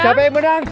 siapa yang menang